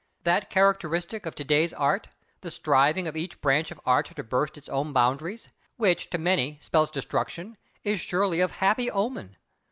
That characteristic of to day's Art —the striving of each branch of Art to burst its own boundaries —which to many spells destruction, is surely of happy omen.